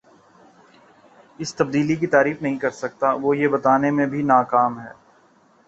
اس تبدیلی کی تعریف نہیں کر سکا وہ یہ بتانے میں بھی ناکام ہے